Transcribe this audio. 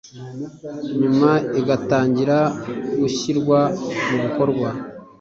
nyuma igatangira gushyirwa mu bikorwa